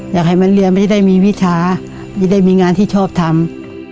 อยากให้มันเรียนไม่ได้มีวิชาไม่ได้มีงานที่ชอบทำ